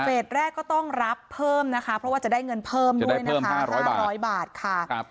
แรกก็ต้องรับเพิ่มนะคะเพราะว่าจะได้เงินเพิ่มด้วยนะคะ๕๐๐บาทค่ะ